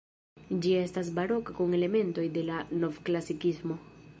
Ĝi estas baroka kun elementoj de la novklasikismo.